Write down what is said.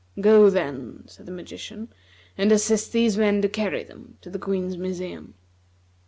"Go, then," said the magician, "and assist these men to carry them to the Queen's museum."